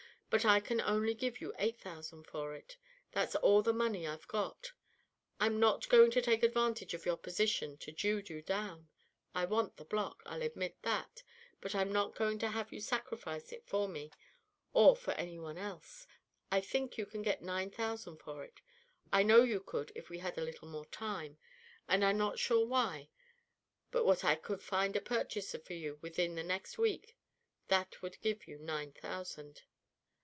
But I can only give you eight thousand for it. That's all the money I've got. But I'm not going to take advantage of your position to jew you down. I want the block, I'll admit that, but I'm not going to have you sacrifice it for me, or for any one else. I think you can get nine thousand for it. I know you could if we had a little more time, and I'm not sure but what I could find a purchaser for you within the next week that would give you nine thousand."